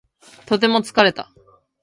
とても疲れた